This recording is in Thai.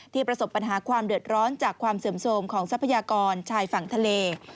ประสบปัญหาความเดือดร้อนจากความเสื่อมโทรมของทรัพยากรชายฝั่งทะเล